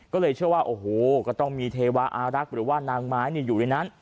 ก็เลยเชื่อว่าโอ้โหก็ต้องมีเทวาอารักษ์หรือว่านางไม้อยู่ในนั้น